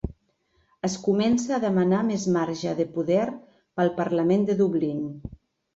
Es comença a demanar més marge de poder pel parlament de Dublín.